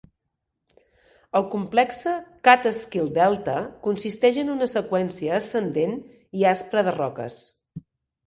El complexe Catskill Delta consisteix en una seqüència ascendent i aspre de roques.